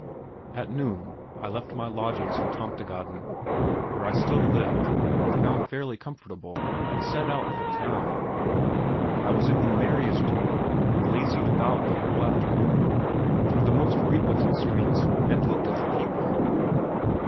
At noon I left my lodgings in Tomtegaden, where I still lived and found fairly comfortable, and set out for town. I was in the merriest humour, and lazied about the whole afternoon through the most frequented streets and looked at the people.